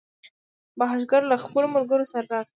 بهاشکر له خپلو ملګرو سره راغی.